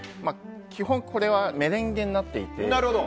基本これはメレンゲになっていて。